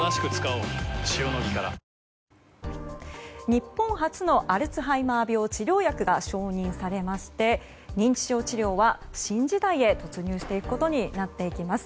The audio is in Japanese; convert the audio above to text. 日本初のアルツハイマー病治療薬が承認されまして認知症治療は新時代へ突入していくことになっていきます。